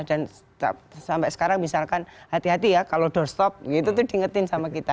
dan sampai sekarang misalkan hati hati ya kalau doorstop itu diingetin sama kita